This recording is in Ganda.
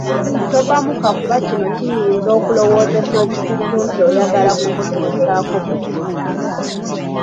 Tobbamuka kuba kino kiyinza okulowoozesa omutujju nti oyagala kumutusaako buzibu.